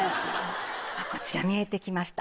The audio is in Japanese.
こちら見えてきました